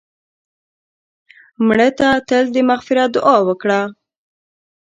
مړه ته تل د مغفرت دعا وکړه